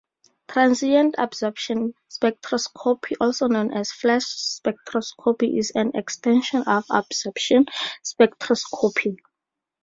Transient-absorption spectroscopy, also known as flash spectroscopy, is an extension of absorption spectroscopy.